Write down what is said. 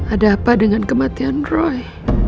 ada apa dengan kematian roy